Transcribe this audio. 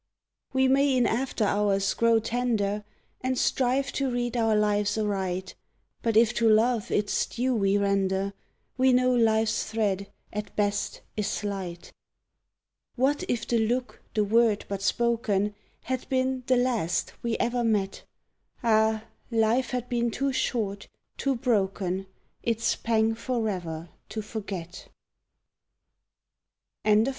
We may in after hours grow tender And strive to read our lives aright, But if to Love its due we render, We know Life's thread, at best, is slight! What if the look, the word, but spoken, Had been "the last" we ever met? Ah! Life had been too short, too broken, Its pang forever to forget! SEHNSUCHT!